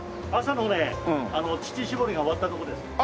朝のね乳搾りが終わったとこです。